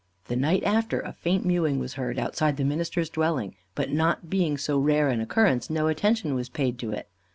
The night after a faint mewing was heard outside the minister's dwelling, but not being so rare an occurrence no attention was paid to it.